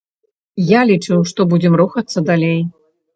Я лічу, што будзем рухацца далей.